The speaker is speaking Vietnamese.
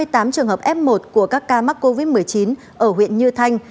hai mươi tám trường hợp f một của các ca mắc covid một mươi chín ở huyện như thanh